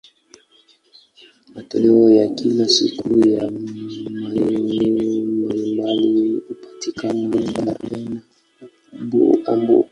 Matoleo ya kila siku ya maeneo mbalimbali hupatikana Berlin na Hamburg.